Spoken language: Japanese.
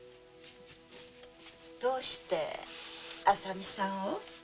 どうして浅見さんを？